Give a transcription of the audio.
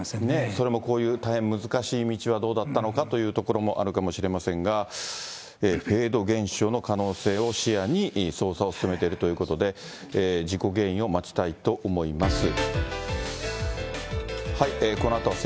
それもこういう大変難しい道はどうだったのかというところもあるかもしれませんが、フェード現象の可能性を視野に捜査を進めているということで、事故原因を待ちたいと思います。